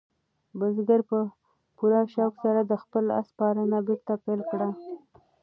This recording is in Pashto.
بزګر په پوره شوق سره د خپل آس پالنه بېرته پیل کړه.